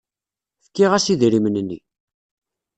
Fkiɣ-as idrimen-nni.